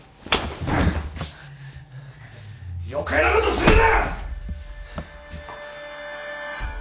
余計なことするな！